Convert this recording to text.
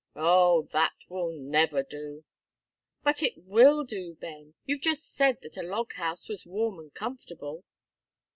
"O, that will never do." "But it will do, Ben; you've just said that a log house was warm and comfortable."